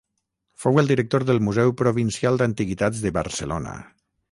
Fou el director del Museu Provincial d'Antiguitats de Barcelona.